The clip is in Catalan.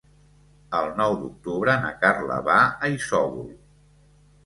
El nou d'octubre na Carla va a Isòvol.